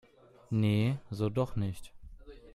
Nee, so doch nicht